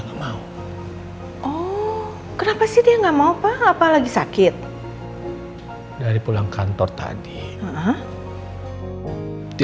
enggak mau oh kenapa sih dia enggak mau apa lagi sakit dari pulang kantor tadi